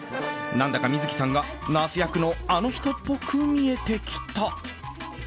なんだか、観月さんがナース役のあの人っぽく見えてきた。